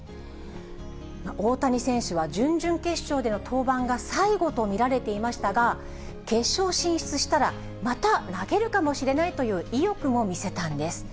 大谷選手は、準々決勝での登板が最後と見られていましたが、決勝進出したら、また投げるかもしれないという意欲も見せたんです。